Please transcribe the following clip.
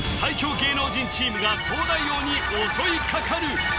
芸能人チームが東大王に襲いかかる！